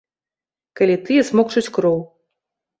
Калі тыя смокчуць кроў.